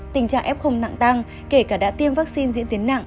tình trạng f nặng tăng kể cả đã tiêm vaccine diễn tiến nặng